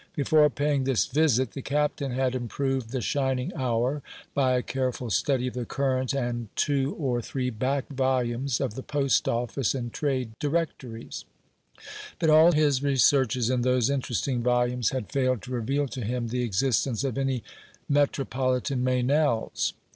Before paying this visit the Captain had improved the shining hour by a careful study of the current and two or three back volumes of the Post Office and Trade Directories; but all his researches in those interesting volumes had failed to reveal to him the existence of any metropolitan Meynells.